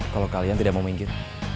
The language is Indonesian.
kalau kalian tidak mau minggir